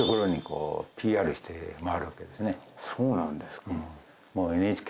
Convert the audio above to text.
そうなんですか。